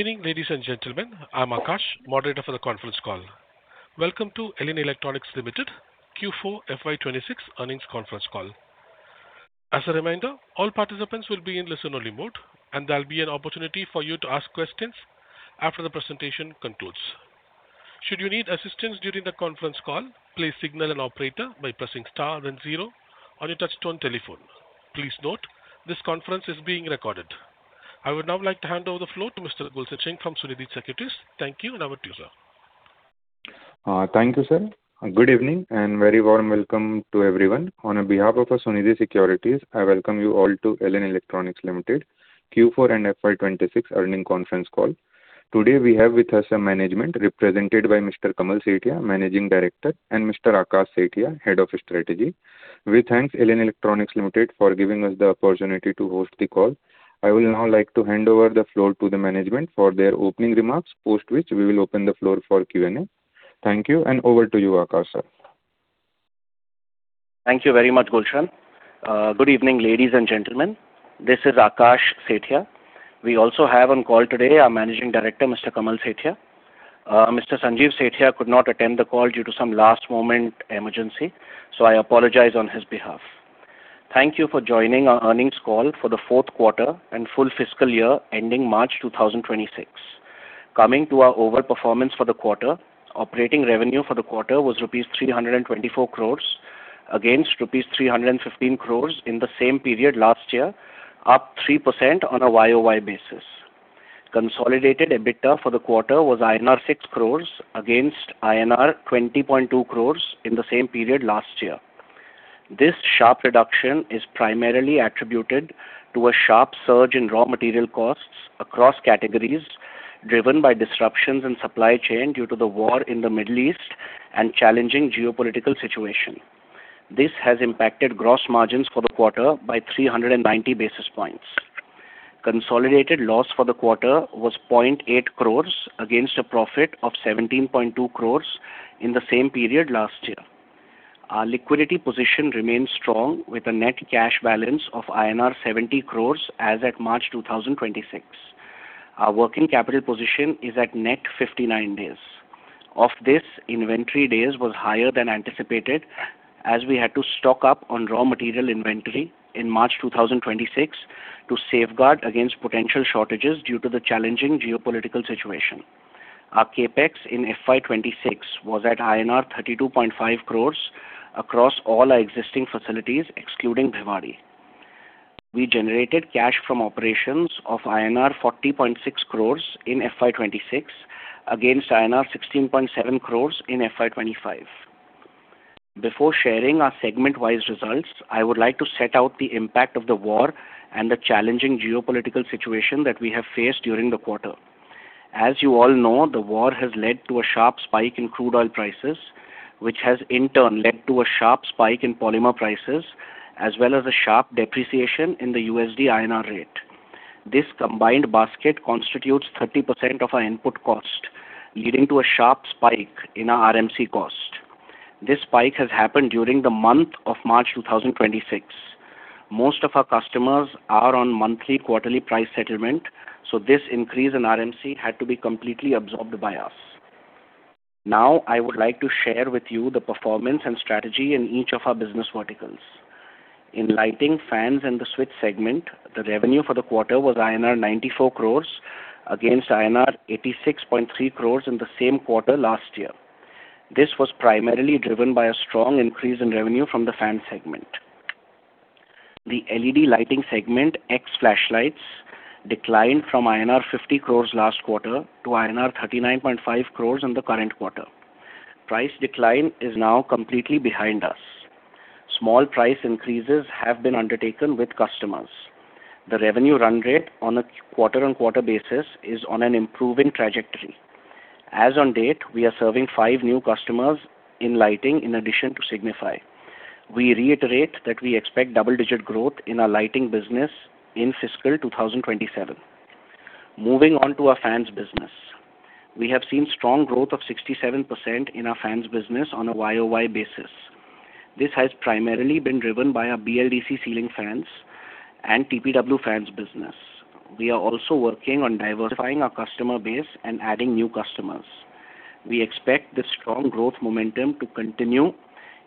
Good evening, ladies and gentlemen. I'm Akash, moderator for the conference call. Welcome to Elin Electronics Limited Q4 FY 2026 earnings conference call. As a reminder, all participants will be in listen-only mode, and there'll be an opportunity for you to ask questions after the presentation concludes. Should you need assistance during the conference call, please signal an operator by pressing star then zero on your touch-tone telephone. Please note, this conference is being recorded. I would now like to hand over the floor to Mr. Gulshan Singh from Sunidhi Securities. Thank you, and over to you, sir. Thank you, sir. Good evening, and very warm welcome to everyone. On behalf of Sunidhi Securities, I welcome you all to Elin Electronics Limited Q4 and FY 2026 earning conference call. Today, we have with us our management, represented by Mr. Kamal Sethia, Managing Director, and Mr. Akash Sethia, Head of Strategy. We thank Elin Electronics Limited for giving us the opportunity to host the call. I would now like to hand over the floor to the management for their opening remarks, post which we will open the floor for Q&A. Thank you, and over to you, Akash, sir. Thank you very much, Gulshan. Good evening, ladies and gentlemen. This is Akash Sethia. We also have on call today our Managing Director, Mr. Kamal Sethia. Mr. Sanjeev Sethia could not attend the call due to some last-moment emergency, I apologize on his behalf. Thank you for joining our earnings call for the fourth quarter and full fiscal year ending March 2026. Coming to our overperformance for the quarter, operating revenue for the quarter was rupees 324 crores against rupees 315 crores in the same period last year, up 3% on a YoY basis. Consolidated EBITDA for the quarter was INR 6 crores against INR 20.2 crores in the same period last year. This sharp reduction is primarily attributed to a sharp surge in raw material costs across categories, driven by disruptions in supply chain due to the war in the Middle East and challenging geopolitical situation. This has impacted gross margins for the quarter by 390 basis points. Consolidated loss for the quarter was 0.8 crore against a profit of 17.2 crore in the same period last year. Our liquidity position remains strong with a net cash balance of INR 70 crore as at March 2026. Our working capital position is at net 59 days. Of this, inventory days was higher than anticipated as we had to stock up on raw material inventory in March 2026 to safeguard against potential shortages due to the challenging geopolitical situation. Our CapEx in FY 2026 was at INR 32.5 crore across all our existing facilities, excluding Bhiwadi. We generated cash from operations of INR 40.6 crore in FY 2026 against INR 16.7 crore in FY 2025. Before sharing our segment-wise results, I would like to set out the impact of the war and the challenging geopolitical situation that we have faced during the quarter. As you all know, the war has led to a sharp spike in crude oil prices, which has in turn led to a sharp spike in polymer prices, as well as a sharp depreciation in the USD-INR rate. This combined basket constitutes 30% of our input cost, leading to a sharp spike in our RMC cost. This spike has happened during the month of March 2026. Most of our customers are on monthly quarterly price settlement, this increase in RMC had to be completely absorbed by us. I would like to share with you the performance and strategy in each of our business verticals. In lighting, fans, and the switch segment, the revenue for the quarter was INR 94 crores against INR 86.3 crores in the same quarter last year. This was primarily driven by a strong increase in revenue from the fan segment. The LED lighting segment, ex-flashlights, declined from INR 50 crores last quarter to INR 39.5 crores in the current quarter. Price decline is now completely behind us. Small price increases have been undertaken with customers. The revenue run rate on a quarter-on-quarter basis is on an improving trajectory. As on date, we are serving five new customers in lighting in addition to Signify. We reiterate that we expect double-digit growth in our lighting business in fiscal 2027. Moving on to our fans business. We have seen strong growth of 67% in our fans business on a YoY basis. This has primarily been driven by our BLDC ceiling fans and TPW fans business. We are also working on diversifying our customer base and adding new customers. We expect this strong growth momentum to continue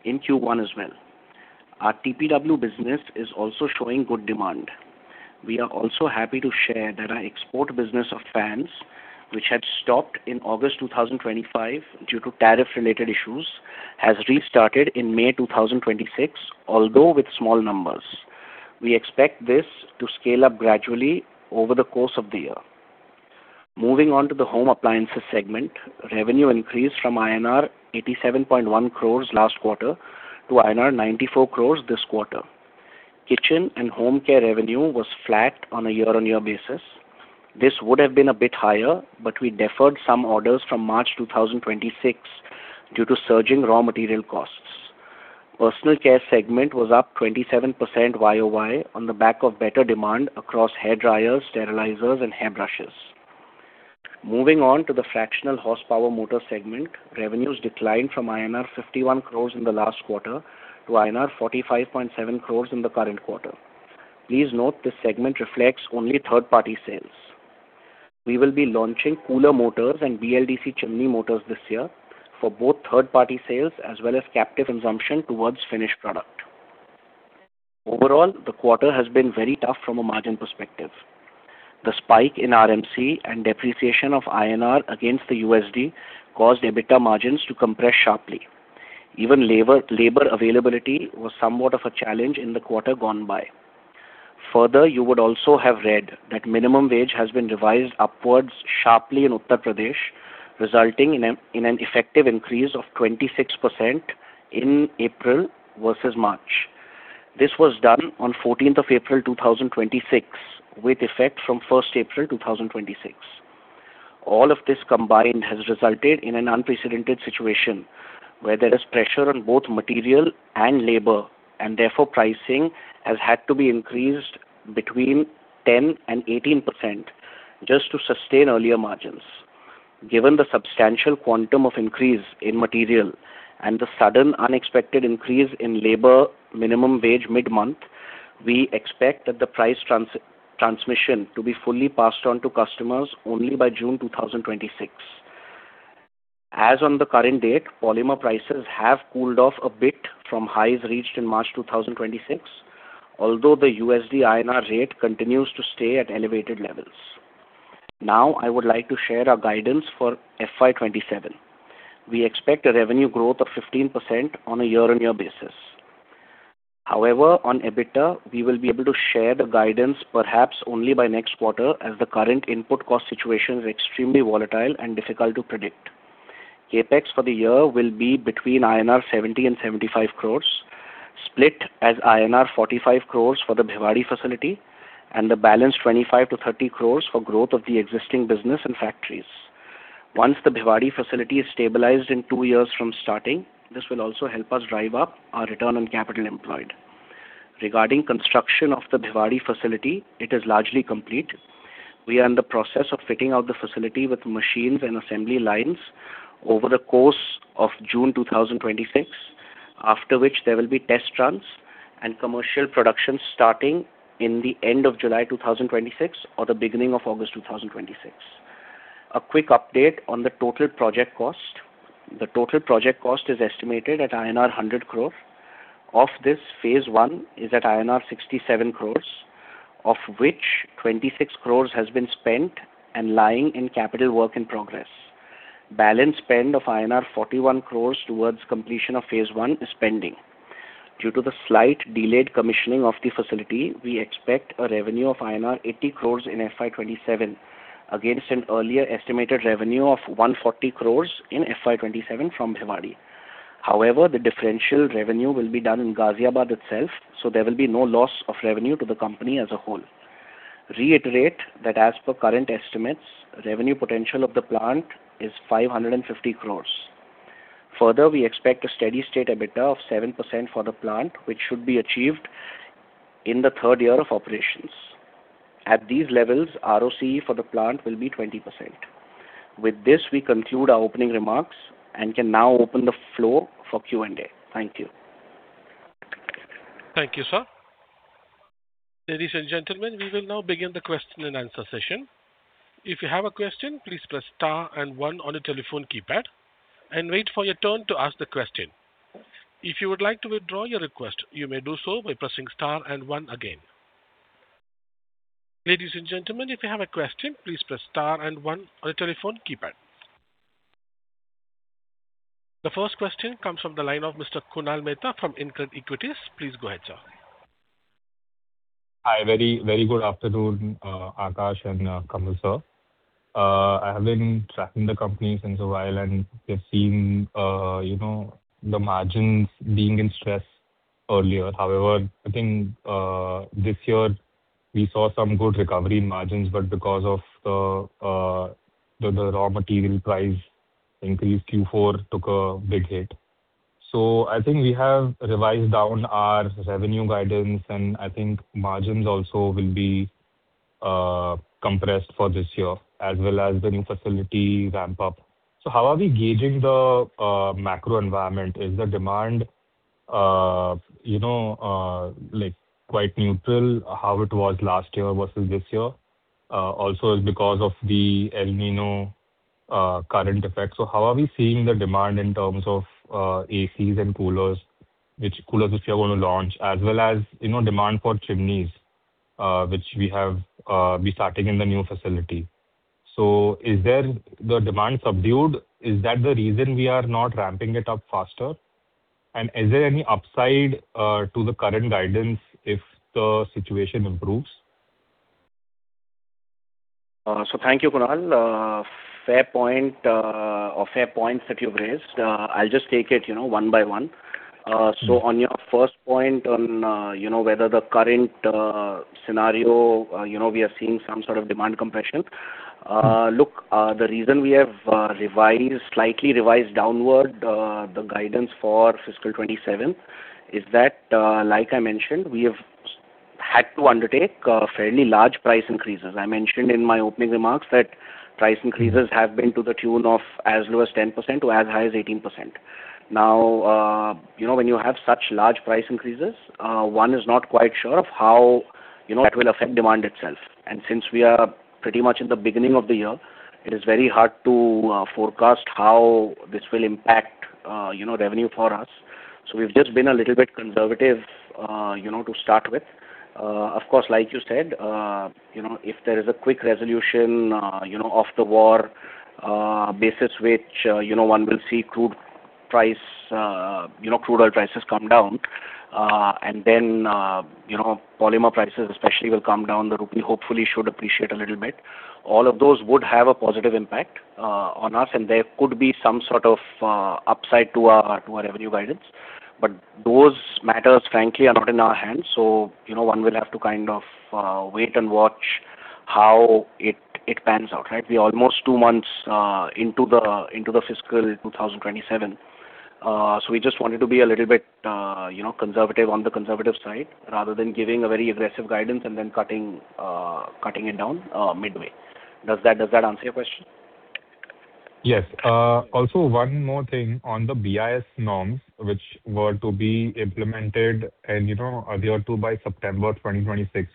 in Q1 as well. Our TPW business is also showing good demand. We are also happy to share that our export business of fans, which had stopped in August 2025 due to tariff-related issues, has restarted in May 2026, although with small numbers. We expect this to scale up gradually over the course of the year. Moving on to the home appliances segment, revenue increased from INR 87.1 crore last quarter to INR 94 crore this quarter. Kitchen and home care revenue was flat on a year-on-year basis. This would have been a bit higher, but we deferred some orders from March 2026 due to surging raw material costs. Personal care segment was up 27% YoY on the back of better demand across hairdryers, sterilizers, and hairbrushes. Moving on to the fractional horsepower motor segment, revenues declined from INR 51 crores in the last quarter to INR 45.7 crores in the current quarter. Please note this segment reflects only third-party sales. We will be launching cooler motors and BLDC chimney motors this year for both third-party sales as well as captive consumption towards finished product. Overall, the quarter has been very tough from a margin perspective. The spike in RMC and depreciation of INR against the USD caused EBITDA margins to compress sharply. Even labor availability was somewhat of a challenge in the quarter gone by. Further, you would also have read that minimum wage has been revised upwards sharply in Uttar Pradesh, resulting in an effective increase of 26% in April versus March. This was done on 14th of April 2026, with effect from 1st April 2026. All of this combined has resulted in an unprecedented situation where there is pressure on both material and labor, and therefore pricing has had to be increased between 10% and 18% just to sustain earlier margins. Given the substantial quantum of increase in material and the sudden unexpected increase in labor minimum wage mid-month, we expect that the price transmission to be fully passed on to customers only by June 2026. As on the current date, polymer prices have cooled off a bit from highs reached in March 2026, although the USD-INR rate continues to stay at elevated levels. Now, I would like to share our guidance for FY27. We expect a revenue growth of 15% on a year-on-year basis. However, on EBITDA, we will be able to share the guidance perhaps only by next quarter as the current input cost situation is extremely volatile and difficult to predict. CapEx for the year will be between INR 70 crores and 75 crores, split as INR 45 crores for the Bhiwadi facility and the balance 25 crores-30 crores for growth of the existing business and factories. Once the Bhiwadi facility is stabilized in two years from starting, this will also help us drive up our return on capital employed. Regarding construction of the Bhiwadi facility, it is largely complete We are in the process of fitting out the facility with machines and assembly lines over the course of June 2026, after which there will be test runs and commercial production starting in the end of July 2026 or the beginning of August 2026. A quick update on the total project cost. The total project cost is estimated at INR 100 crore. Of this, phase one is at INR 67 crores, of which 26 crores has been spent and lying in capital work in progress. Balance spend of INR 41 crores towards completion of phase one is pending. Due to the slight delayed commissioning of the facility, we expect a revenue of INR 80 crores in FY27 against an earlier estimated revenue of 140 crores in FY27 from Bhiwadi. However, the differential revenue will be done in Ghaziabad itself, so there will be no loss of revenue to the company as a whole. Reiterate that as per current estimates, revenue potential of the plant is 550 crores. Further, we expect a steady state EBITDA of 7% for the plant, which should be achieved in the third year of operations. At these levels, ROCE for the plant will be 20%. With this, we conclude our opening remarks and can now open the floor for Q&A. Thank you. Thank you, sir. Ladies and gentlemen, we will now begin the question and answer session. If you have a question, please press star and one on your telephone keypad and wait for your turn to ask the question. If you would like to withdraw your request, you may do so by pressing star and one again. Ladies and gentlemen, if you have a question, please press star and one on your telephone keypad. The first question comes from the line of Mr. Kunal Mehta from InCred Equities. Please go ahead, sir. Hi, very good afternoon, Akash and Kamal sir. I've been tracking the company since a while. We've seen the margins being in stress earlier. However, I think this year we saw some good recovery margins. Because of the raw material price increase, Q4 took a big hit. I think we have revised down our revenue guidance. I think margins also will be compressed for this year as well as the new facility ramp up. How are we gauging the macro environment? Is the demand quite neutral, how it was last year versus this year? Also is because of the El Niño current effect? How are we seeing the demand in terms of ACs and coolers, which coolers this year will launch, as well as demand for chimneys, which we're starting in the new facility. Is the demand subdued? Is that the reason we are not ramping it up faster? Is there any upside to the current guidance if the situation improves? Thank you, Kunal. Fair point, or fair points that you've raised. I'll just take it one by one. On your first point on whether the current scenario, we are seeing some sort of demand compression. Look, the reason we have revised, slightly revised downward the guidance for FY 2027 is that, like I mentioned, we have had to undertake fairly large price increases. I mentioned in my opening remarks that price increases have been to the tune of as low as 10% to as high as 18%. Now, when you have such large price increases, one is not quite sure of how it will affect demand itself. Since we are pretty much in the beginning of the year, it is very hard to forecast how this will impact revenue for us. We've just been a little bit conservative to start with. Of course, like you said, if there is a quick resolution of the war basis which one will see crude oil prices come down, and then polymer prices especially will come down, Rupee hopefully should appreciate a little bit. All of those would have a positive impact on us, and there could be some sort of upside to our revenue guidance. Those matters, frankly, are not in our hands, so one will have to kind of wait and watch how it pans out. We're almost two months into the fiscal in 2027. We just wanted to be a little bit on the conservative side rather than giving a very aggressive guidance and then cutting it down midway. Does that answer your question? Yes. Also one more thing on the BIS norms, which were to be implemented and adhere to by September 2026.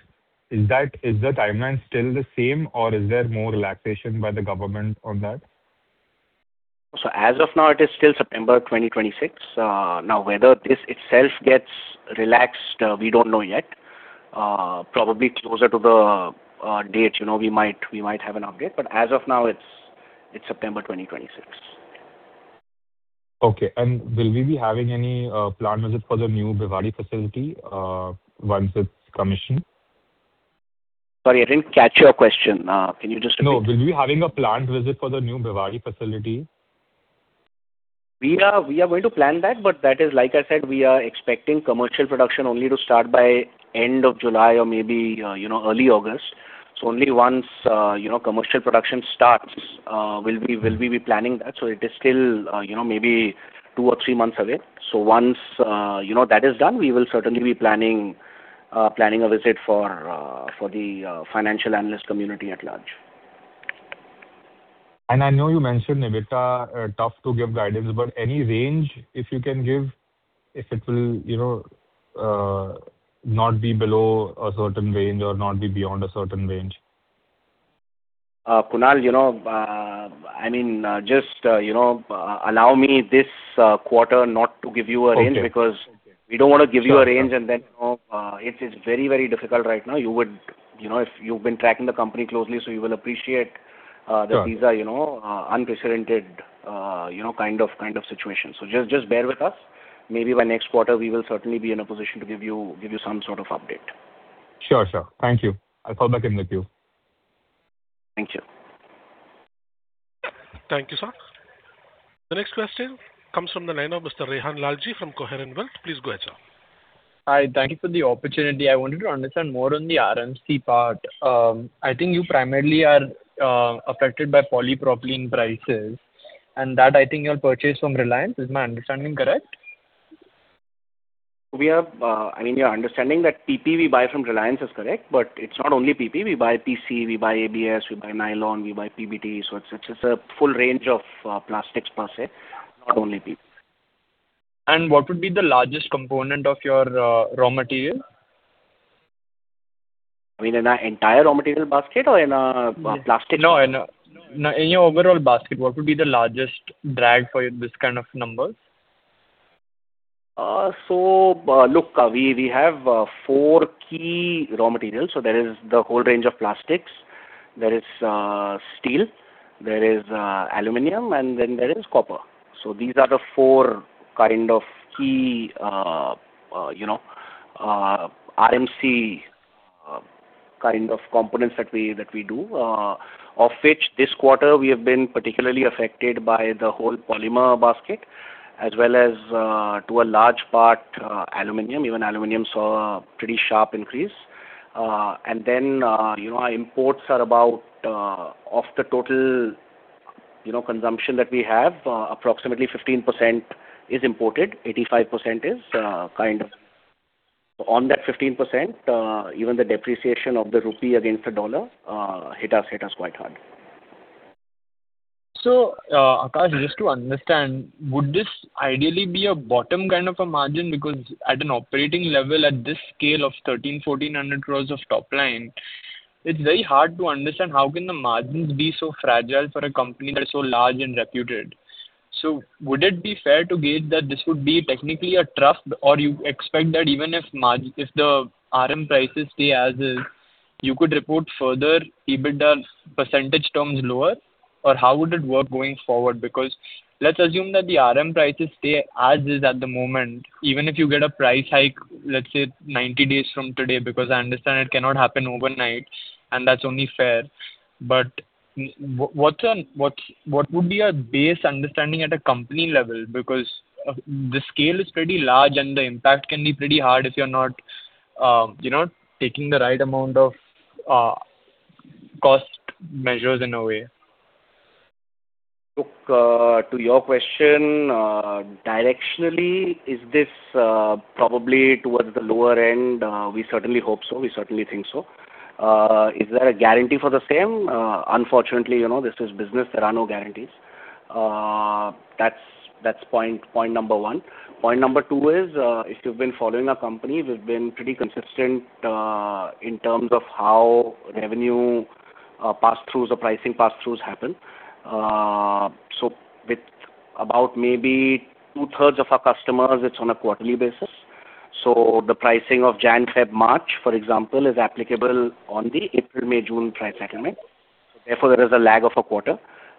Is the timeline still the same, or is there more relaxation by the government on that? As of now, it is still September 2026. Whether this itself gets relaxed, we don't know yet. Probably closer to the date we might have an update, as of now, it's September 2026. Will we be having any plant visit for the new Bhiwadi facility once it's commissioned? Sorry, I didn't catch your question. Can you just repeat? No. Will we be having a plant visit for the new Bhiwadi facility? We are going to plan that, but that is like I said, we are expecting commercial production only to start by end of July or maybe early August. Only once commercial production starts will we be planning that. It is still maybe two or three months away. Once that is done, we will certainly be planning a visit for the financial analyst community at large. I know you mentioned, EBITDA, tough to give guidance, but any range if you can give, if it will not be below a certain range or not be beyond a certain range? Kunal, just allow me this quarter not to give you a range. We don't want to give you a range. It's very difficult right now. You've been tracking the company closely, so you will appreciate. These are unprecedented kind of situations. Just bear with us. Maybe by next quarter, we will certainly be in a position to give you some sort of update. Sure. Thank you. I'll come back in with you. Thank you. Thank you, sir. The next question comes from the line of Mr. Rehan Laljee from Coheron Wealth. Please go ahead, sir. Hi. Thank you for the opportunity. I wanted to understand more on the RMC part. I think you primarily are affected by polypropylene prices, and that I think you purchase from Reliance. Is my understanding correct? Your understanding that PP we buy from Reliance is correct, but it's not only PP. We buy PC, we buy ABS, we buy nylon, we buy PBT. It's a full range of plastics per se, not only PP. What would be the largest component of your raw material? You mean in our entire raw material basket or in our plastic? No, in your overall basket, what would be the largest drag for this kind of numbers? Look, we have four key raw materials. There is the whole range of plastics. There is steel, there is aluminum, and then there is copper. These are the four kind of key RMC kind of components that we do, of which this quarter we have been particularly affected by the whole polymer basket as well as to a large part, aluminum. Even aluminum saw a pretty sharp increase. Our imports are about, of the total consumption that we have, approximately 15% is imported. On that 15%, even the depreciation of the rupee against the USD hit us quite hard. Akash, just to understand, would this ideally be a bottom kind of a margin? Because at an operating level, at this scale of 1,300 crores, 1,400 crores of top line, it's very hard to understand how can the margins be so fragile for a company that's so large and reputed. Would it be fair to gauge that this would be technically a trough, or you expect that even if the RM prices stay as is, you could report further EBITDAs percentage terms lower? How would it work going forward? Let's assume that the RM prices stay as is at the moment, even if you get a price hike, let's say 90 days from today, because I understand it cannot happen overnight, and that's only fair. What would be a base understanding at a company level? The scale is pretty large, and the impact can be pretty hard if you're not taking the right amount of cost measures in a way. Look, to your question, directionally, is this probably towards the lower end? We certainly hope so. We certainly think so. Is there a guarantee for the same? Unfortunately, this is business, there are no guarantees. That's point number one. Point number two is, if you've been following our company, we've been pretty consistent in terms of how revenue pass-throughs or pricing pass-throughs happen. With about maybe 2/3 of our customers, it's on a quarterly basis. The pricing of January, February, March, for example, is applicable on the April, May, June tri-quarter. There is a lag of a quarter,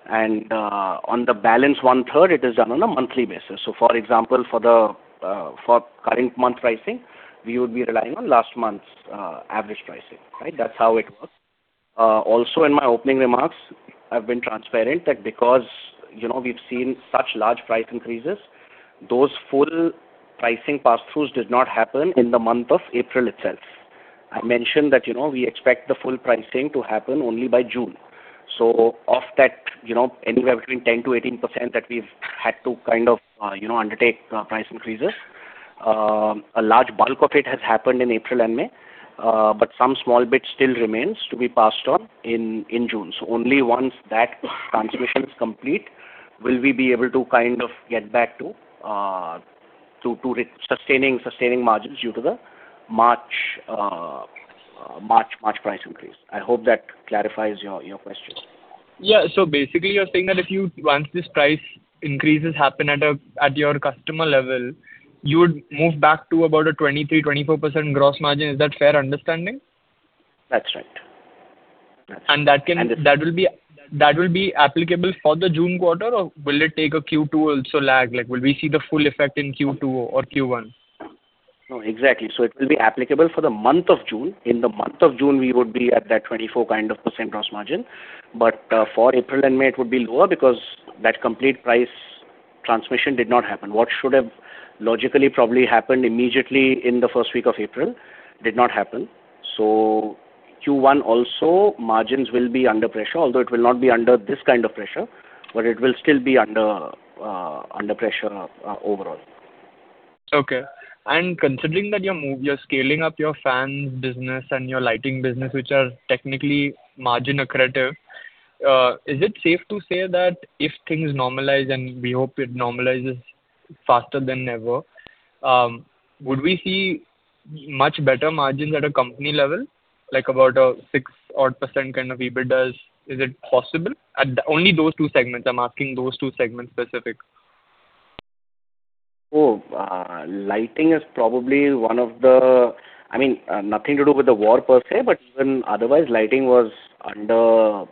and on the balance one-third, it is done on a monthly basis. For example, for current month pricing, we would be relying on last month's average pricing. That's how it works. In my opening remarks, I've been transparent that because we've seen such large price increases, those full pricing pass-throughs did not happen in the month of April itself. I mentioned that we expect the full pricing to happen only by June. Of that anywhere between 10%-18% that we've had to undertake price increases, a large bulk of it has happened in April and May, but some small bit still remains to be passed on in June. Only once that transmission is complete will we be able to get back to sustaining margins due to the March price increase. I hope that clarifies your question. Yeah. Basically, you're saying that once these price increases happen at your customer level, you would move back to about a 23%, 24% gross margin. Is that fair understanding? That's right. That will be applicable for the June quarter, or will it take a Q2 also lag? Will we see the full effect in Q2 or Q1? No, exactly. It will be applicable for the month of June. In the month of June, we would be at that 24% gross margin. For April and May, it would be lower because that complete price transmission did not happen. What should have logically probably happened immediately in the first week of April did not happen. Q1 also, margins will be under pressure, although it will not be under this kind of pressure, but it will still be under pressure overall. Okay. Considering that you're scaling up your fans business and your lighting business, which are technically margin accretive, is it safe to say that if things normalize, and we hope it normalizes faster than ever, would we see much better margins at a company level, like about a 6 odd percent kind of EBITDA? Is it possible? Only those two segments, I'm asking those two segments specific. Lighting is probably one of the. Nothing to do with the war per se, but even otherwise, lighting was under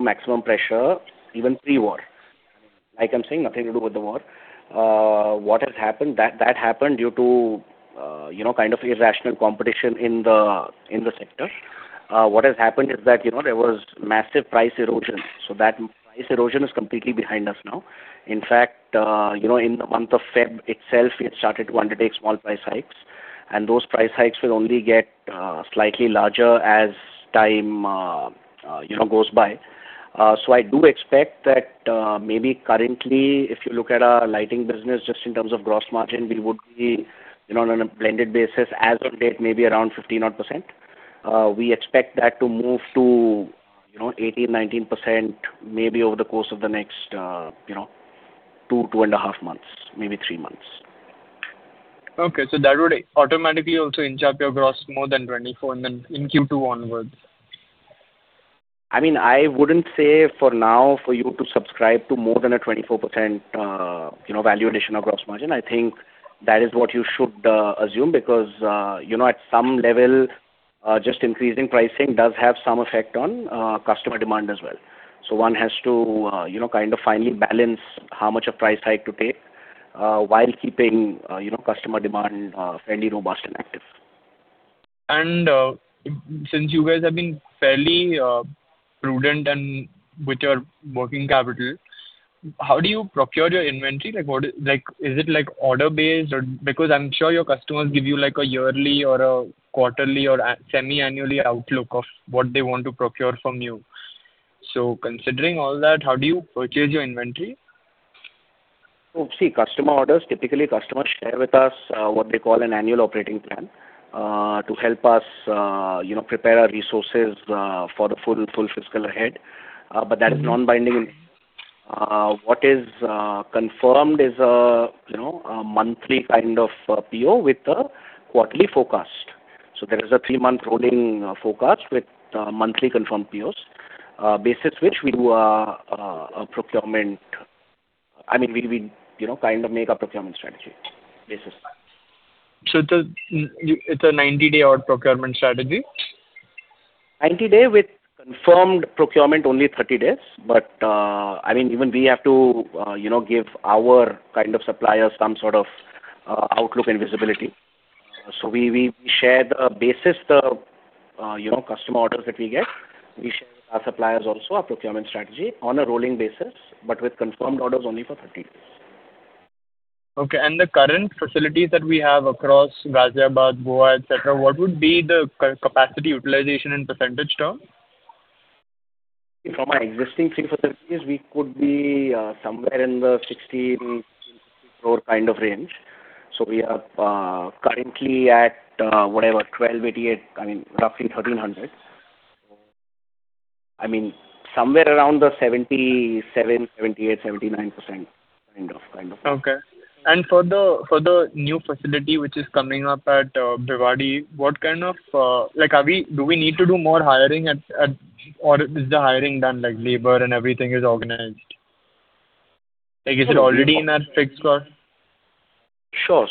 maximum pressure, even pre-war. I can say nothing to do with the war. What has happened due to irrational competition in the sector. What has happened is that there was massive price erosion. That price erosion is completely behind us now. In fact, in the month of February itself, we started to undertake small price hikes, and those price hikes will only get slightly larger as time goes by. I do expect that maybe currently, if you look at our lighting business, just in terms of gross margin, we would be on a blended basis as of date, maybe around 15 odd percent. We expect that to move to 18%, 19%, maybe over the course of the next two and a half months, maybe three months. Okay. That would automatically also inch up your gross more than 24% in Q2 onwards. I wouldn't say for now for you to subscribe to more than a 24% value addition of gross margin. I think that is what you should assume because, at some level, just increasing pricing does have some effect on customer demand as well. One has to finally balance how much a price hike to take while keeping customer demand fairly robust and active. Since you guys have been fairly prudent with your working capital, how do you procure your inventory? Is it order-based? I'm sure your customers give you a yearly or a quarterly or semi-annually outlook of what they want to procure from you. Considering all that, how do you purchase your inventory? See, customer orders, typically, customers share with us what they call an annual operating plan to help us prepare our resources for the full fiscal ahead. That's non-binding. What is confirmed is a monthly kind of PO with a quarterly forecast. There is a three-month rolling forecast with monthly confirmed POs, basis which we do our procurement. We kind of make a procurement strategy basis that. It's a 90-day odd procurement strategy? 90-day with confirmed procurement only 30 days. Even we have to give our suppliers some sort of outlook and visibility. We share the basis, the customer orders that we get. We share with our suppliers also our procurement strategy on a rolling basis, but with confirmed orders only for 30 days. Okay, the current facilities that we have across Ghaziabad, Goa, etc., what would be the capacity utilization in percentage term? From our existing three facilities, we could be somewhere in the 1,600 kind of range. We are currently at 1,280, roughly 1,300, somewhere around the 77%, 78%, 79% kind of. Okay. For the new facility which is coming up at Bhiwadi, do we need to do more hiring or is the hiring done, like labor and everything is organized? Is it already in that fixed slot? Sure.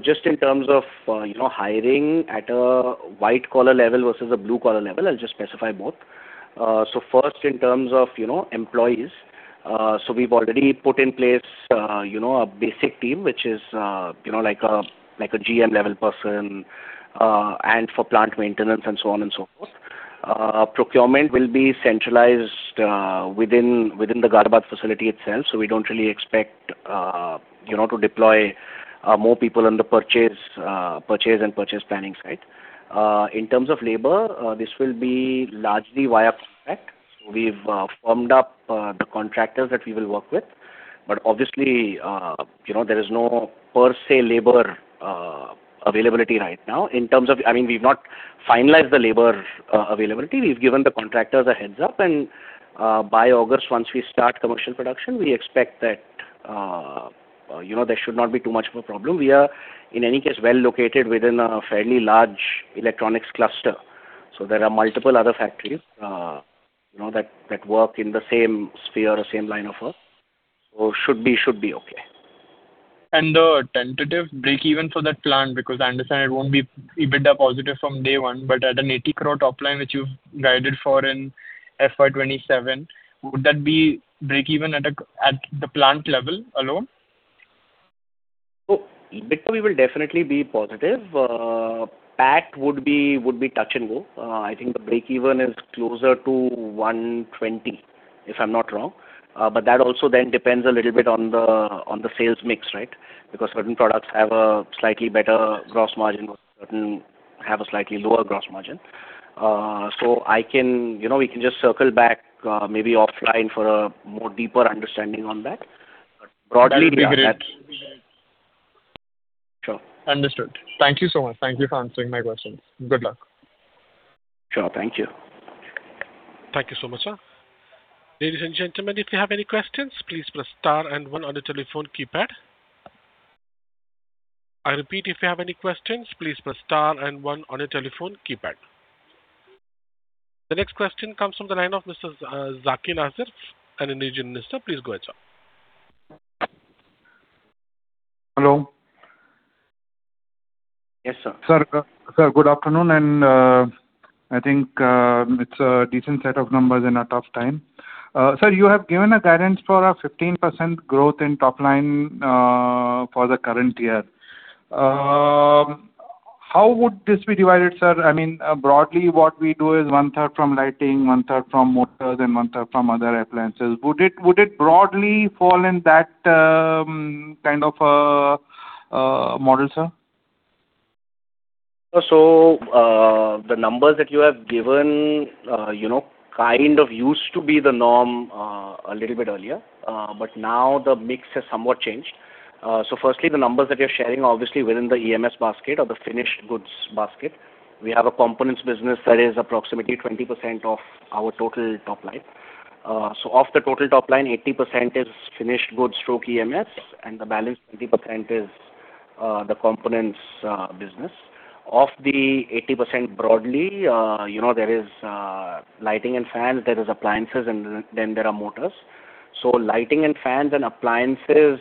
Just in terms of hiring at a white-collar level versus a blue-collar level, I'll just specify both. First, in terms of employees, we've already put in place a basic team, which is like a GM level person, and for plant maintenance and so on and so forth. Procurement will be centralized within the Ghaziabad facility itself. We don't really expect to deploy more people on the purchase and purchase planning side. In terms of labor, this will be largely via contract. We've firmed up the contractors that we will work with. Obviously, there is no per se labor availability right now. We've not finalized the labor availability. We've given the contractors a heads up, and by August, once we start commercial production, we expect that there should not be too much of a problem. We are, in any case, well located within a fairly large electronics cluster. There are multiple other factories that work in the same sphere or same line of work. Should be okay. The tentative breakeven for that plant, because I understand it won't be EBITDA positive from day one, but at an 80 crore top line which you've guided for in FY 2027, would that be breakeven at the plant level alone? EBITDA will definitely be positive. PBT would be touch and go. I think the breakeven is closer to 120, if I'm not wrong. That also depends a little bit on the sales mix, right? Certain products have a slightly better gross margin while certain have a slightly lower gross margin. We can just circle back maybe offline for a more deeper understanding on that. Broadly we are happy. Understood. Thank you so much. Thank you for answering my question. Good luck. Sure. Thank you. Thank you so much, sir. Ladies and gentlemen, if you have any questions, please press star and one on your telephone keypad. I repeat, if you have any questions, please press star and one on your telephone keypad. The next question comes from the line of Mr. [Zakin Aziz], an Indian Investor. Please go ahead, sir. Hello. Yes, sir. Sir, good afternoon, I think it's a decent set of numbers in a tough time. Sir, you have given a guidance for a 15% growth in top line for the current year. How would this be divided, sir? Broadly what we do is 1/3 from lighting, 1/3 from motors, and 1/3 from other appliances. Would it broadly fall in that kind of a model, sir? The numbers that you have given kind of used to be the norm a little bit earlier but now the mix has somewhat changed. Firstly, the numbers that you're sharing are obviously within the EMS basket or the finished goods basket. We have a components business that is approximately 20% of our total top line. Of the total top line, 80% is finished goods through EMS, and the balance 20% is the components business. Of the 80% broadly, there is lighting and fans, there is appliances, and then there are motors. Lighting and fans and appliances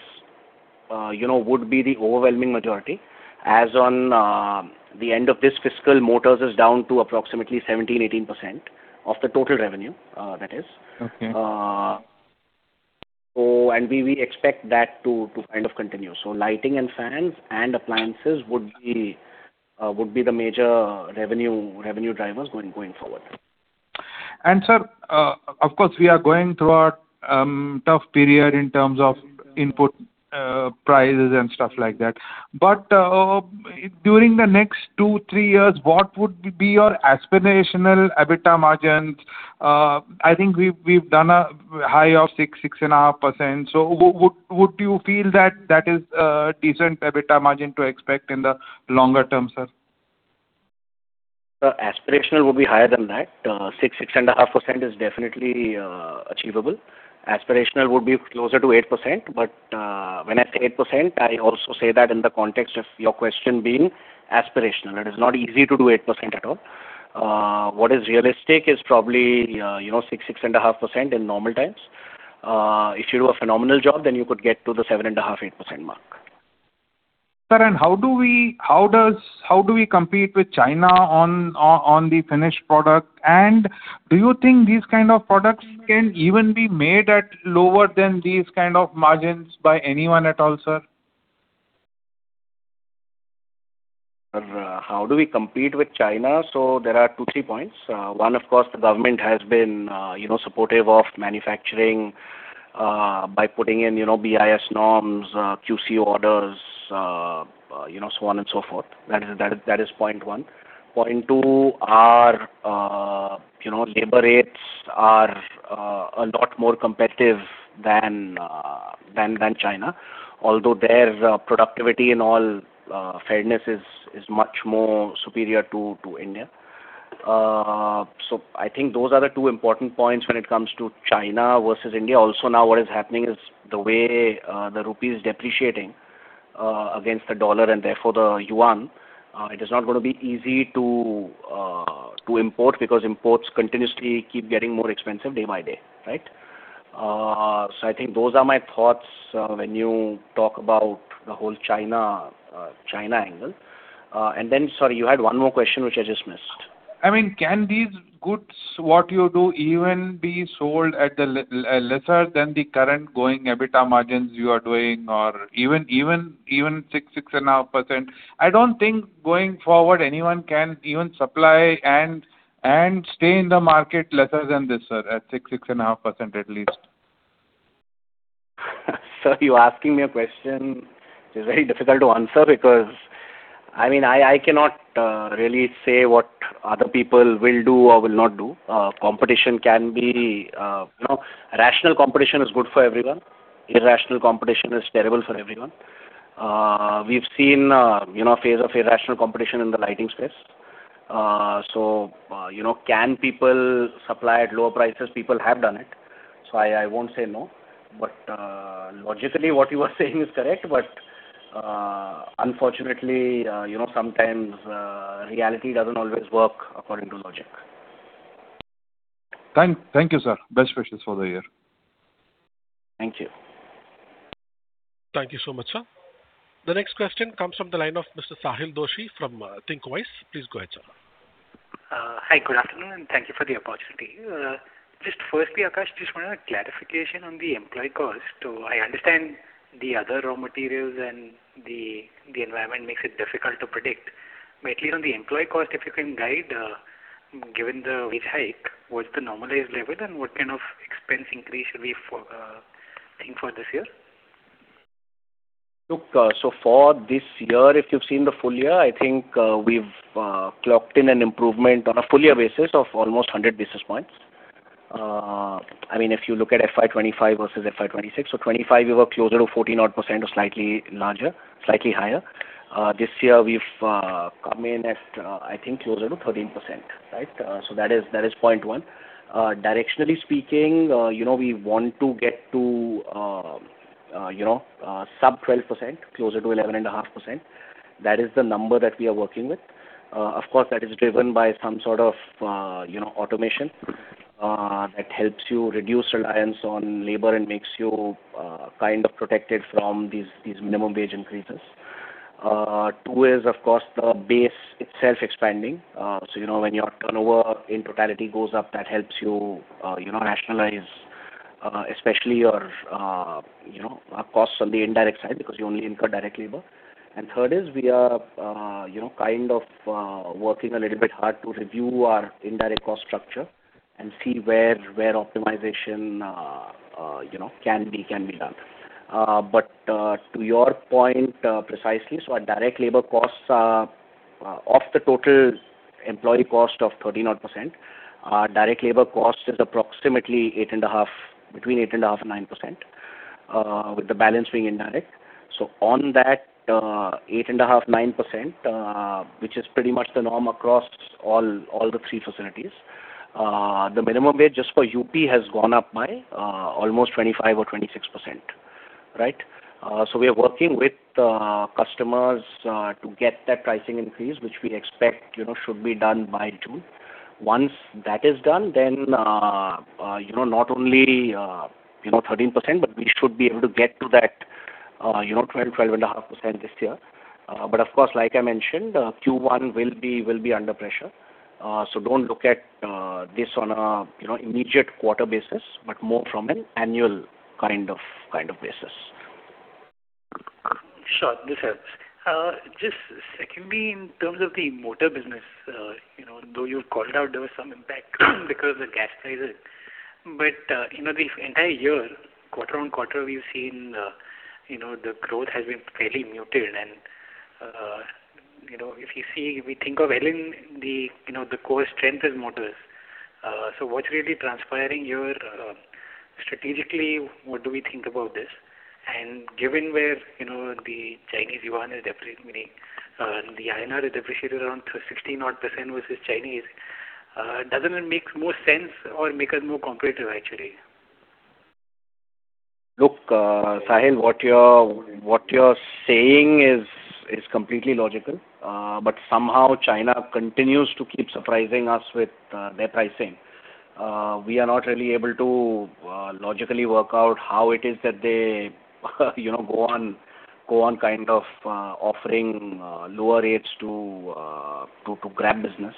would be the overwhelming majority. As on the end of this fiscal, motors is down to approximately 17%, 18% of the total revenue, that is. We expect that to kind of continue. Lighting and fans and appliances would be the major revenue drivers going forward. Sir, of course, we are going through a tough period in terms of input prices and stuff like that. During the next two, three years, what would be your aspirational EBITDA margins? I think we've done a high of 6%-6.5%. Would you feel that is a decent EBITDA margin to expect in the longer term, sir? Sir, aspirational would be higher than that. 6%-6.5% is definitely achievable. Aspirational would be closer to 8%, but when I say 8%, I also say that in the context of your question being aspirational. It is not easy to do 8% at all. What is realistic is probably 6%-6.5% in normal times. If you do a phenomenal job, then you could get to the 7.5%-8% mark. Sir, how do we compete with China on the finished product? Do you think these kind of products can even be made at lower than these kind of margins by anyone at all, sir? Sir, how do we compete with China? There are two, three points. One, of course, the government has been supportive of manufacturing by putting in BIS norms, QC orders, so on and so forth. That is point one. Point two, our labor rates are a lot more competitive than China, although their productivity in all fairness is much more superior to India. I think those are the two important points when it comes to China versus India. Also, now what is happening is the way the rupee is depreciating against the dollar and therefore the yuan, it is not going to be easy to import because imports continuously keep getting more expensive day by day. Right? I think those are my thoughts when you talk about the whole China angle. Sorry, you had one more question, which I just missed. Can these goods, what you do, even be sold at lesser than the current going EBITDA margins you are doing or even 6.5%? I don't think going forward anyone can even supply and stay in the market lesser than this, sir, at 6.5% at least. Sir, you asking a question is very difficult to answer because I cannot really say what other people will do or will not do. Competition. Rational competition is good for everyone. Irrational competition is terrible for everyone. We've seen a phase of irrational competition in the lighting space. Can people supply at lower prices? People have done it, I won't say no. Logically, what you are saying is correct, but unfortunately sometimes reality doesn't always work according to logic. Thank you, sir. Best wishes for the year. Thank you. Thank you so much, sir. The next question comes from the line of Mr. Sahil Doshi from Thinqwise. Please go ahead, sir. Hi, good afternoon. Thank you for the opportunity. Just firstly, Akash, just wanted a clarification on the employee cost. I understand the other raw materials and the environment makes it difficult to predict, but at least on the employee cost, if you can guide, given the wage hike, what's the normalized level and what kind of expense increase should we think for this year? For this year, if you've seen the full year, I think we've clocked in an improvement on a full year basis of almost 100 basis points. If you look at FY 2025 versus FY 2026, 2025, we were closer to 14% or slightly higher. This year we've come in at, I think, closer to 13%. Right? That is point one. Directionally speaking, we want to get to sub 12%, closer to 11.5%. That is the number that we are working with. Of course, that is driven by some sort of automation that helps you reduce reliance on labor and makes you kind of protected from these minimum wage increases. Two is, of course, the base itself expanding. When your turnover in totality goes up, that helps you rationalize, especially your costs on the indirect side, because you only incur direct labor. Third is we are kind of working a little bit hard to review our indirect cost structure and see where optimization can be done. To your point precisely, our direct labor costs are of the total employee cost of 13 odd percent, direct labor cost is approximately between 8.5% and 9%, with the balancing indirect. On that 8.5%, 9%, which is pretty much the norm across all the three facilities. The minimum wage just for UP has gone up by almost 25% or 26%. Right. We are working with customers to get that pricing increase, which we expect should be done by June. Once that is done, not only 13%, but we should be able to get to that 25.5% this year. Of course, like I mentioned, Q1 will be under pressure. Don't look at this on an immediate quarter basis, but more from an annual kind of basis. Sure. This helps. Just secondly, in terms of the motor business, though you called out there was some impact because of the gas prices, but this entire year, quarter-on-quarter, we've seen the growth has been fairly muted. If you think of Elin, the core strength is motors. What's really transpiring here strategically? What do we think about this? Given where the Chinese yuan is depreciating, the INR has depreciated around 16% odd percent versus Chinese. Doesn't it make more sense or make us more competitive, actually? Look, Sahil, what you're saying is completely logical. Somehow China continues to keep surprising us with their pricing. We are not really able to logically work out how it is that they go on kind of offering lower rates to grab business.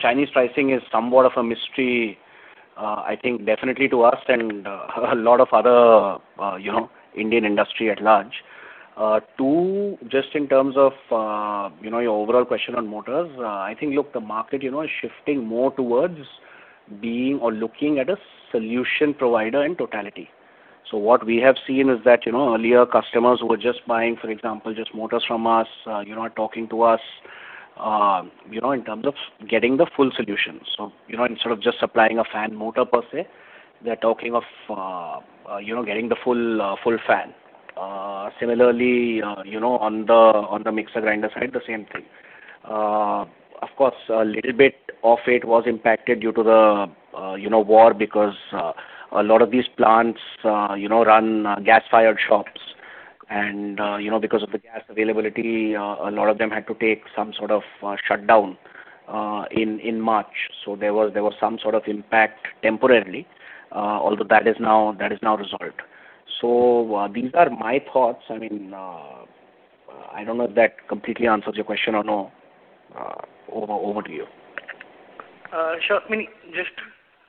Chinese pricing is somewhat of a mystery, I think definitely to us and a lot of other Indian industry at large. Two, just in terms of your overall question on motors. I think the market is shifting more towards being or looking at a solution provider in totality. What we have seen is that earlier customers were just buying, for example, just motors from us, talking to us in terms of getting the full solution. Instead of just supplying a fan motor per se, they're talking of getting the full fan. Similarly, on the mixer grinder side, the same thing. Of course, a little bit of it was impacted due to the war because a lot of these plants run gas-fired shops, and because of the gas availability, a lot of them had to take some sort of shutdown in March. There was some sort of impact temporarily. Although that is now resolved. These are my thoughts. I don't know if that completely answers your question or not. Over to you. Sure. Just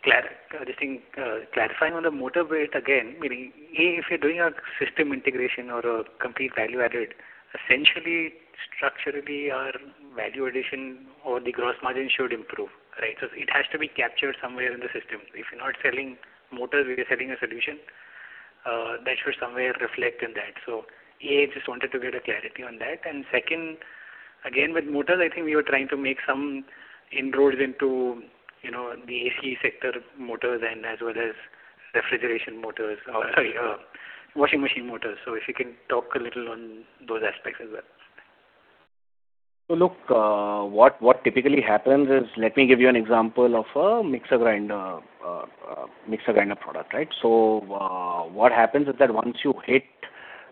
clarifying on the motor bit again, if you're doing a system integration or a complete value-added, essentially, structurally, your value addition or the gross margin should improve, right? It has to be captured somewhere in the system. If you're not selling motors, we are selling a solution, that should somewhere reflect in that. A, just wanted to get a clarity on that. Second, again, with motors, I think you're trying to make some inroads into the AC sector motors as well as washing machine motors. If you can talk a little on those aspects as well. Look, what typically happens is, let me give you an example of a mixer grinder product. What happens is that once you hit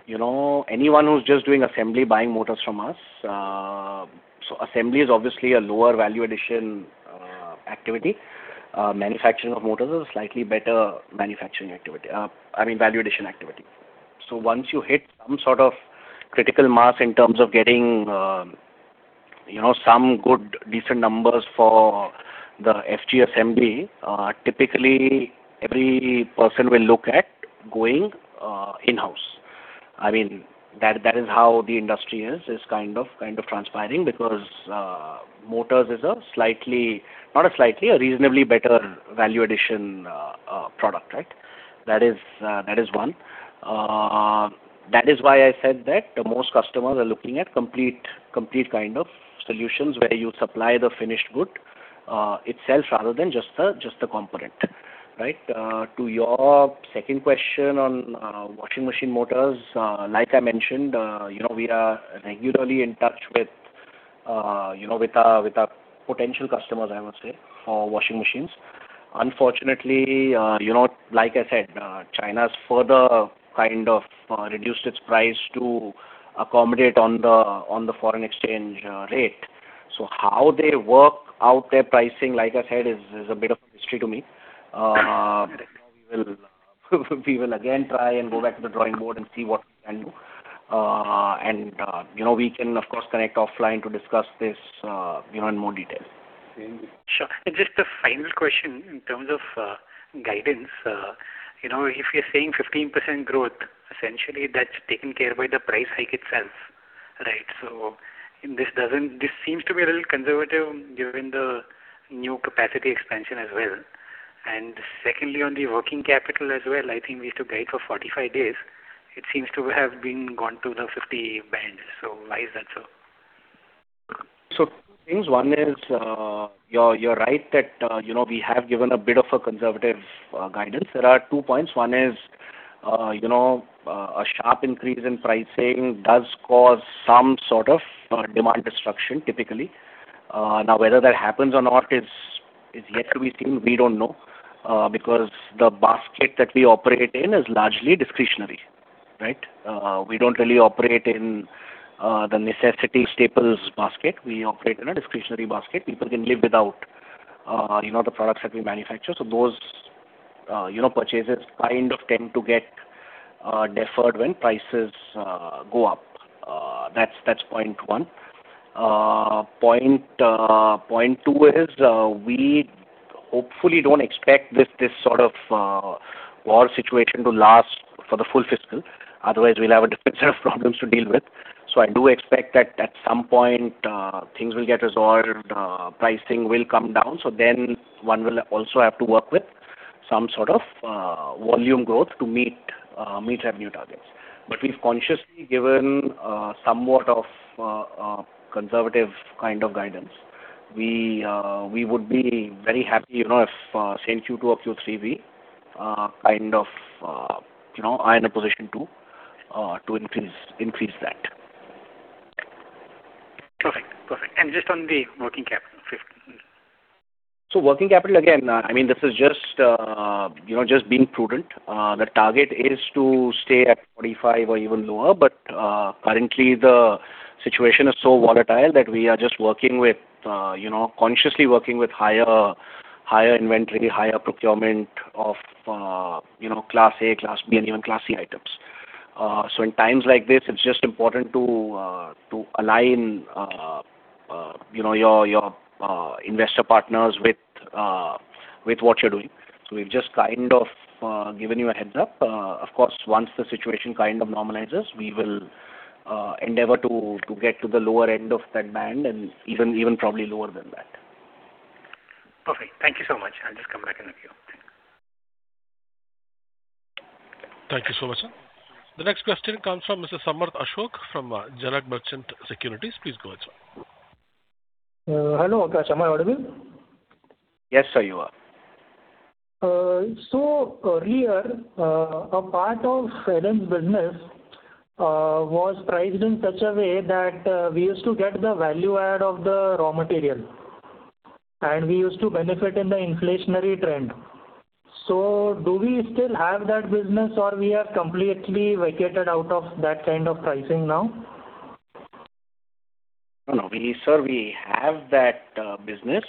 anyone who's just doing assembly buying motors from us, assembly is obviously a lower value addition activity. Manufacturing of motors is a slightly better manufacturing activity, I mean, value addition activity. Once you hit some sort of critical mass in terms of getting some good decent numbers for the FG assembly, typically, every person will look at going in-house. That is how the industry is transpiring because motors is not a slightly, a reasonably better value addition product. That is one. That is why I said that most customers are looking at complete kind of solutions where you supply the finished good itself rather than just the component. To your second question on washing machine motors, like I mentioned, we are regularly in touch with our potential customers, I would say, for washing machines. Like I said, China's further kind of reduced its price to accommodate on the foreign exchange rate. How they work out their pricing, like I said, is a bit of a mystery to me. Now we will again try and go back to the drawing board and see what we can do. We can, of course, connect offline to discuss this in even more detail. Sure. Just a final question in terms of guidance. If you're saying 15% growth, essentially that's taken care of by the price hike itself, right? This seems to be a little conservative given the new capacity expansion as well. Secondly, on the working capital as well, I think we used to guide for 45 days. It seems to have gone to the 50 band. Why is that so? Two things. One is, you're right that we have given a bit of a conservative guidance. There are two points. One is, a sharp increase in pricing does cause some sort of demand destruction typically. Now, whether that happens or not is yet to be seen. We don't know because the basket that we operate in is largely discretionary. We don't really operate in the necessity staples basket. We operate in a discretionary basket. People can live without the products that we manufacture. Those purchases kind of tend to get deferred when prices go up. That's point one. Point two is we hopefully don't expect this sort of war situation to last for the full fiscal. Otherwise, we'll have a different set of problems to deal with. I do expect that at some point things will get resolved, pricing will come down. One will also have to work with some sort of volume growth to meet revenue targets. We've consciously given somewhat of a conservative kind of guidance. We would be very happy if since Q2 of FY 2023, are in a position to increase that. Perfect. Just on the working capital, quickly please. Working capital again, this is just being prudent. The target is to stay at 45 or even lower, but currently the situation is so volatile that we are just consciously working with higher inventory, higher procurement of Class A, Class B, and even Class C items. In times like this, it is just important to align your investor partners with what you are doing. We have just kind of given you a heads up. Of course, once the situation kind of normalizes, we will endeavor to get to the lower end of that band and even probably lower than that. Perfect. Thank you so much. I'll just come back and get you. Thank you so much, sir. The next question comes from Mr. Samarth Ashok from Janak Merchant Securities. Please go ahead, sir. Hello. Akash, am I audible? Yes, sir, you are. Earlier, a part of Elin business was priced in such a way that we used to get the value add of the raw material, and we used to benefit in the inflationary trend. Do we still have that business, or we are completely vacated out of that kind of pricing now? No, sir, we have that business.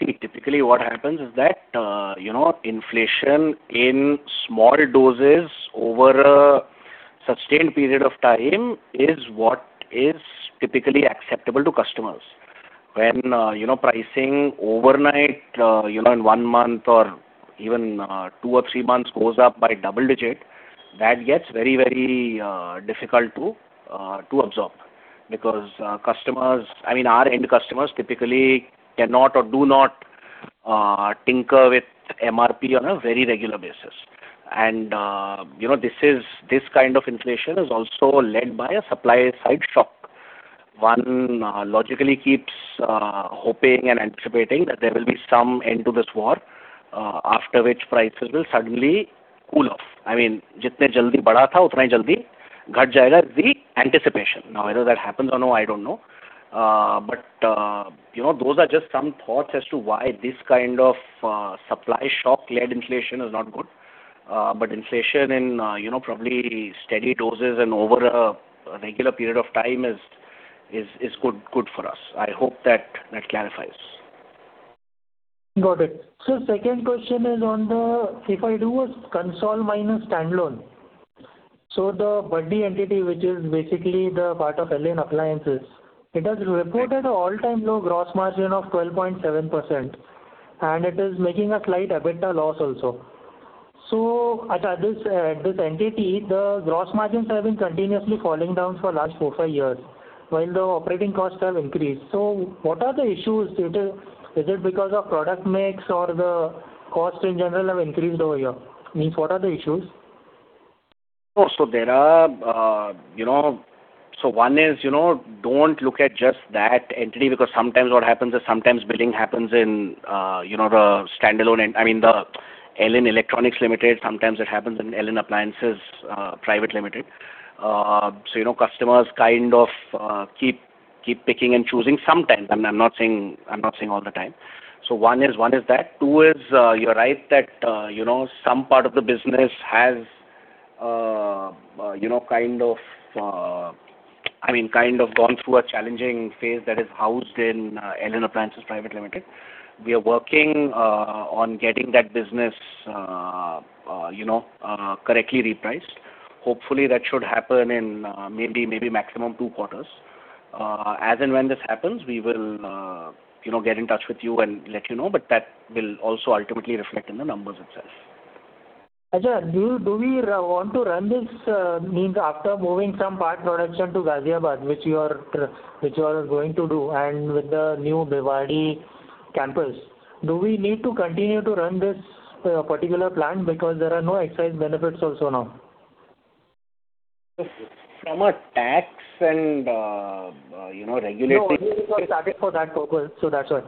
See, typically what happens is that inflation in small doses over a sustained period of time is what is typically acceptable to customers. When pricing overnight, in one month or even two or three months goes up by double-digit, that gets very difficult to absorb because our end customers typically cannot or do not tinker with MRP on a very regular basis. This kind of inflation is also led by a supply-side shock. One logically keeps hoping and anticipating that there will be some end to this war, after which prices will suddenly cool off. I mean, the anticipation. Whether that happens or no, I don't know. Those are just some thoughts as to why this kind of supply-shock-led inflation is not good. Inflation in probably steady doses and over a regular period of time is good for us. I hope that clarifies. Got it. Sir, second question is on the, if I do a consol minus standalone. The Baddi entity, which is basically the part of Elin Appliances, it has reported an all-time low gross margin of 12.7%, and it is making a slight EBITDA loss also. At this entity, the gross margins have been continuously falling down for the last four, five years when the operating costs have increased. I mean, what are the issues? One is, don't look at just that entity because sometimes what happens is sometimes billing happens in the standalone, I mean the Elin Electronics Limited, sometimes it happens in Elin Appliances Private Limited. Customers kind of keep picking and choosing sometimes. I'm not saying all the time. One is that. Two is, you're right that some part of the business has kind of gone through a challenging phase that is housed in Elin Appliances Private Limited. We are working on getting that business correctly repriced. Hopefully, that should happen in maybe maximum two quarters. As and when this happens, we will get in touch with you and let you know, but that will also ultimately reflect in the numbers itself. Akash, do we want to run this means after moving some part production to Ghaziabad, which you are going to do, and with the new Bhiwadi campus, do we need to continue to run this particular plant because there are no excise benefits also now? Samarth, tax and regulatory. No, we use the target for that purpose, so that's why.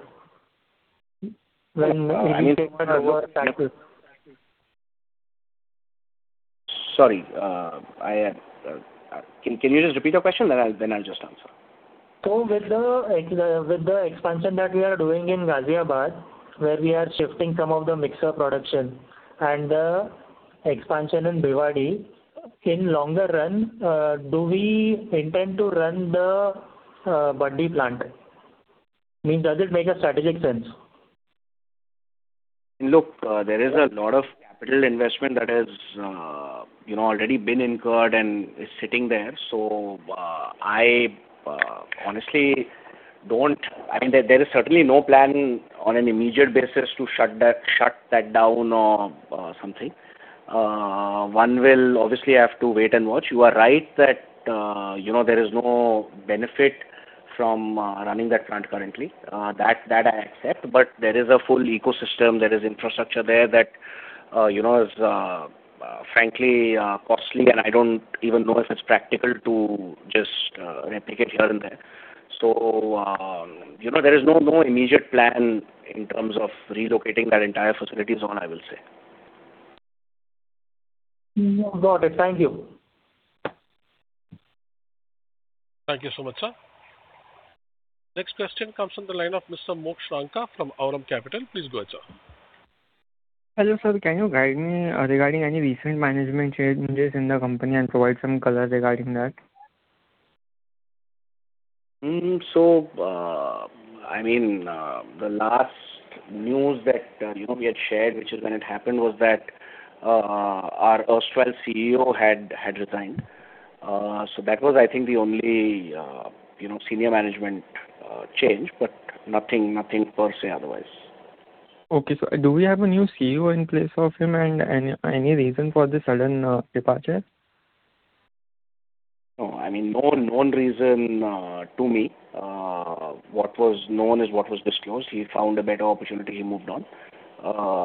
Sorry. Can you just repeat the question, and then I'll just answer. With the expansion that we are doing in Ghaziabad, where we are shifting some of the mixer production and the expansion in Bhiwadi, in longer run, do we intend to run the Baddi plant? I mean, does it make a strategic sense? There is a lot of capital investment that has already been incurred and is sitting there. There is certainly no plan on an immediate basis to shut that down or something. One will obviously have to wait and watch. You are right that there is no benefit from running that plant currently. That I accept, there is a full ecosystem, there is infrastructure there that is frankly costly, and I don't even know if it's practical to just let it sit there. There is no immediate plan in terms of relocating that entire facility zone, I will say. Got it. Thank you. Thank you so much, sir. Next question comes from the line of Mr. Moksh Ranka from Aurum Capital. Please go ahead, sir. Hello, sir. Can you guide me regarding any recent management changes in the company and provide some color regarding that? The last news that we had shared, which is when it happened, was that our erstwhile CEO had to resign. That was, I think, the only senior management change, but nothing per se otherwise. Okay. Do we have a new CEO in place of him and any reason for the sudden departure? No. Known reason to me, what was known is what was disclosed. He found a better opportunity, he moved on.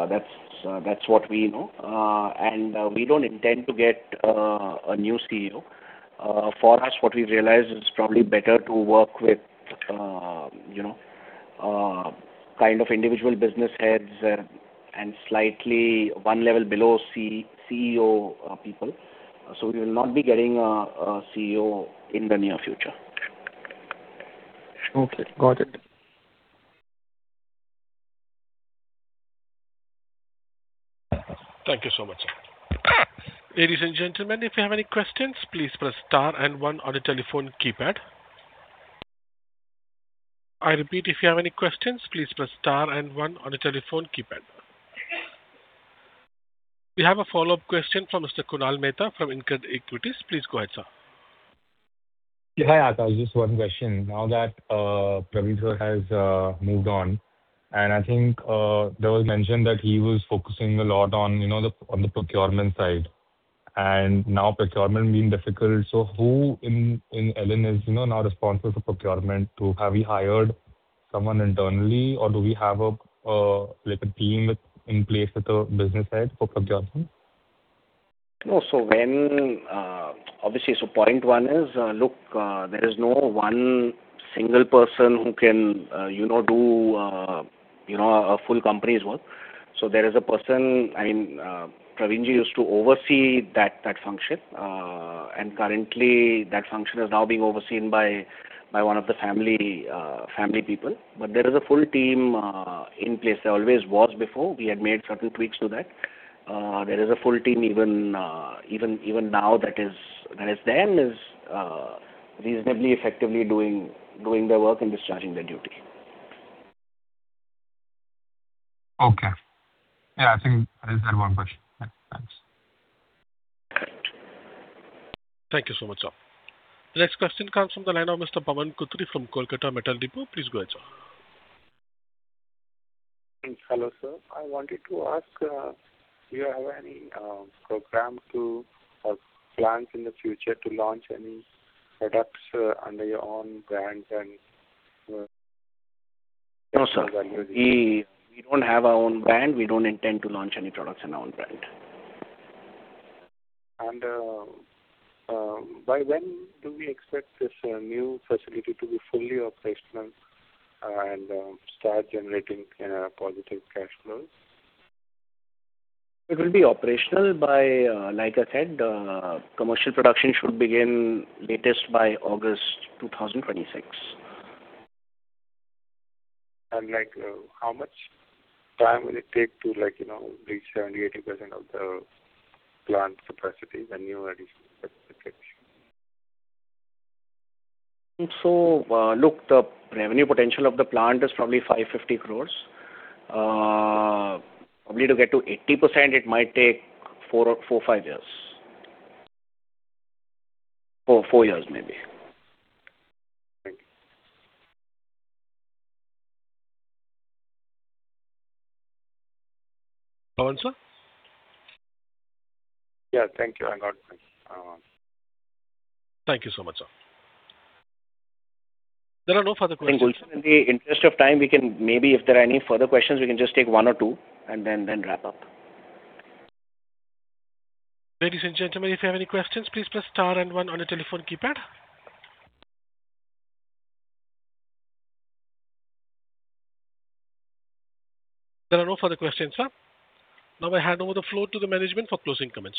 That's what we know. We don't intend to get a new CEO. For us, what we realized it's probably better to work with individual business heads and slightly one level below CEO people. We'll not be getting a CEO in the near future. Okay, got it. Thank you so much. Ladies and gentlemen, if you have any questions, please press star and one on your telephone keypad. I repeat, if you have any questions, please press star and one on your telephone keypad. We have a follow-up question from Mr. Kunal Mehta from Incred Equities. Please go ahead, sir. Yeah. Just one question. Now that Praveen sir has moved on, and I think there was mention that he was focusing a lot on the procurement side, and now procurement being difficult. Who in Elin is now responsible for procurement? Have you hired someone internally or do we have a team in place at a business head for procurement? No. Obviously, point one is, look, there is no one single person who can do a full company's work. There is a person, and Praveen used to oversee that function, and currently that function is now being overseen by one of the family people. There is a full team in place. There always was before. We had made a couple tweaks to that. There is a full team even now that is reasonably effectively doing the work and discharging the duty. Okay. Yeah, I think that is one question. Thanks. Thank you so much, sir. Next question comes from the line of Mr. Pawan Kothari from Calcutta Metal Depot. Please go ahead, sir. Hello, sir. I wanted to ask, do you have any program, or plans in the future to launch any products under your own brands? No, sir. We don't have our own brand. We don't intend to launch any products on our brand. By when do we expect this new facility to be fully operational and start generating positive cash flows? It will be operational by, like I said, commercial production should begin latest by August 2026. How much time will it take to reach 70%, 80% of the plant capacity when you are at full capacity? Look, the revenue potential of the plant is probably 550 crores. Probably to get to 80%, it might take four to five years. Four years, maybe. Pawan sir. Yeah. Thank you. I got that. Thank you so much, sir. There are no further questions. In the interest of time, maybe if there are any further questions, we can just take one or two and then wrap up. Ladies and gentlemen, if you have any questions, please press star and one on your telephone keypad. There are no further questions, sir. Now I hand over the floor to the management for closing comments.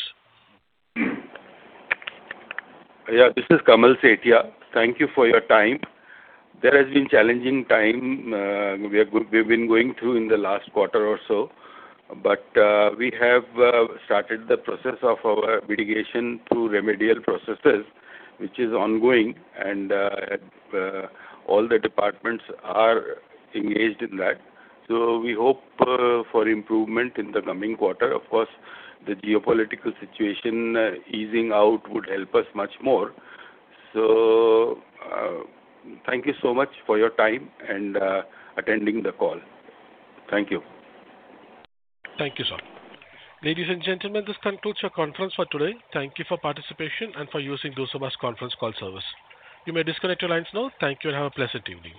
Yeah. This is Kamal Sethia. Thank you for your time. There has been challenging time we've been going through in the last quarter or so. We have started the process of our mitigation through remedial processes, which is ongoing, and all the departments are engaged in that. We hope for improvement in the coming quarter. Of course, the geopolitical situation easing out would help us much more. Thank you so much for your time and attending the call. Thank you. Thank you, sir. Ladies and gentlemen, this concludes your conference for today. Thank you for participation and for using this conference call service. You may disconnect your lines now. Thank you and have a pleasant evening.